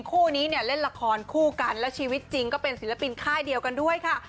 คู่นี้เนี่ยเล่นละครคู่กันแล้วชีวิตจริงก็เป็นศิลปินค่ายเดียวกันด้วยค่ะ